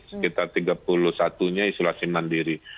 sekitar tiga puluh satu nya isolasi mandiri